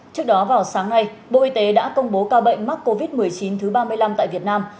trước đó vào sáng nay bộ y tế đã công bố ca bệnh mắc covid một mươi chín thứ ba mươi năm tại việt nam